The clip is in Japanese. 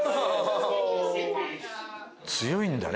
フー強いんだね